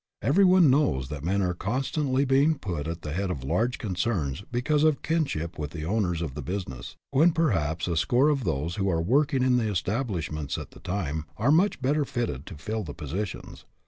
Everyone knows that men are constantly being put at the head of large concerns because of kinship with the owners of the business, when perhaps a score of those who are working in the establish ments, at the time, are much better fitted to fill the positions.